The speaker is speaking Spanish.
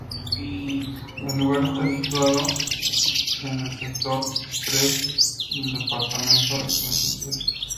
El lugar está situado en el sector tres del departamento de Treinta y Tres.